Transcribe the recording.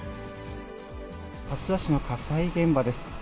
蓮田市の火災現場です。